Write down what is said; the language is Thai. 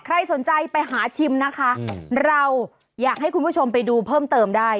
ใครสนใจไปหาชิมนะคะเราอยากให้คุณผู้ชมไปดูเพิ่มเติมได้